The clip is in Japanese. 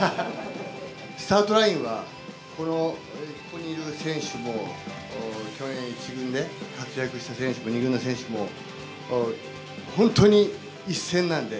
スタートラインは、ここにいる選手も、去年１軍で活躍した選手も２軍の選手も、本当に一線なんで。